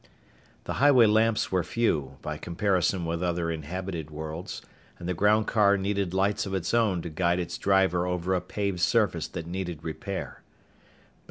The highway lamps were few, by comparison with other inhabited worlds, and the groundcar needed lights of its own to guide its driver over a paved surface that needed repair.